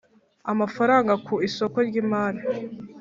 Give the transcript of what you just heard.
Amafaranga ku isoko ry imari